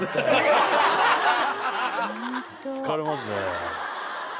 疲れますね。